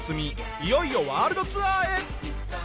いよいよワールドツアーへ。